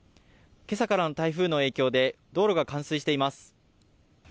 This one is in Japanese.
今朝からの台風の影響で道路が冠水しています。